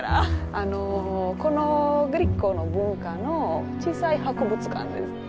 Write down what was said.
あのこのグリコの文化の小さい博物館です。